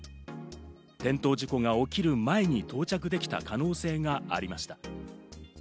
転倒事故が起きる前に到着できた可能性がありました。